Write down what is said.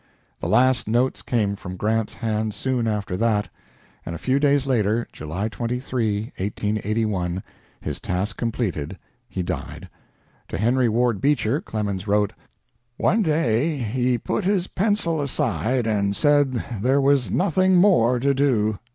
The last notes came from Grant's hands soon after that, and a few days later, July 23, 1885, his task completed, he died. To Henry Ward Beecher Clemens wrote: "One day he put his pencil aside and said there was nothing more to do.